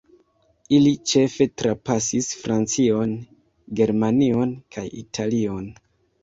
Ili ĉefe trapasis Francion, Germanion kaj Italion.